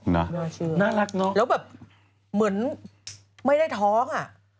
น่ารักเนาะแล้วแบบเหมือนไม่ได้ท้องอ่ะ